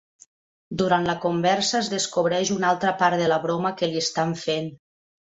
Durant la conversa es descobreix un altre part de la broma que li estan fent.